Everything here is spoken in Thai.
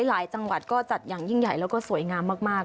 หลายจังหวัดก็จัดอย่างยิ่งใหญ่แล้วก็สวยงามมาก